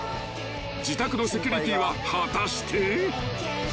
［自宅のセキュリティーは果たして］